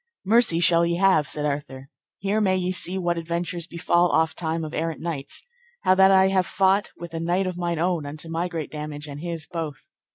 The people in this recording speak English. Mercy shall ye have, said Arthur: here may ye see what adventures befall ofttime of errant knights, how that I have fought with a knight of mine own unto my great damage and his both.